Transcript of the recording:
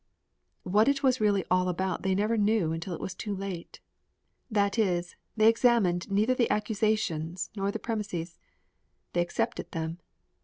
What it was really all about they never knew until it was too late. That is, they examined neither the accusations nor the premises. They accepted them.